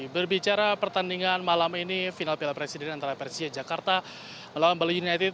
berbicara pertandingan malam ini final piala presiden antara persija jakarta melawan bali united